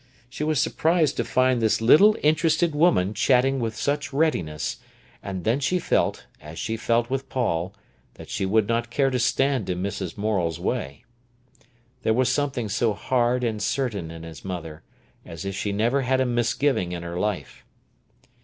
She was surprised to find this little interested woman chatting with such readiness; and then she felt, as she felt with Paul, that she would not care to stand in Mrs. Morel's way. There was something so hard and certain in his mother, as if she never had a misgiving in her life.